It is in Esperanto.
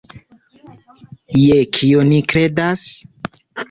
Je kio ni kredas?